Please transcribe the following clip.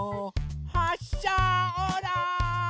はっしゃオーライ！